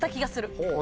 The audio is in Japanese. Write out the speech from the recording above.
ほう。